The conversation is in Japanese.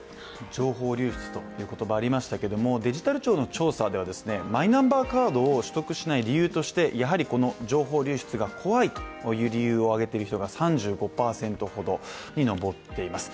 情報流出という言葉もありましたけれどもデジタル庁の調査ではマイナンバーカードを取得しない理由としてやはり情報流出が怖いという理由を挙げている人が３５％ほどに上っています。